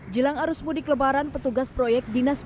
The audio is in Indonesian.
jalan arus mudik lebaran